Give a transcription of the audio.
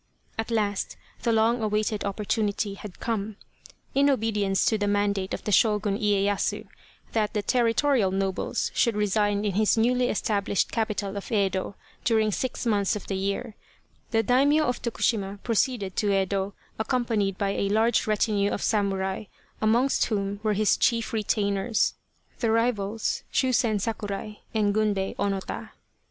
At last the long awaited opportunity had come. In obedience to the mandate of the Shogun leyasu that the territorial nobles should reside in his newly established capital of Yedo during six months of the year, the Daimio of Tokushima proceeded to Yedo accompanied by a large retinue of samurai, amongst whom were his chief retainers, the rivals Shusen Sakurai and Gunbei Onota.